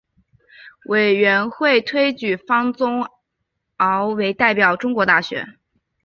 委员会推举方宗鳌为代表中国大学。